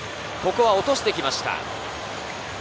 ここは落としてきました。